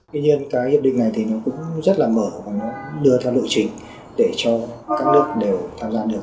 tuy nhiên cái hiệp định này thì nó cũng rất là mở và nó đưa theo lộ trình để cho các nước đều tham gia được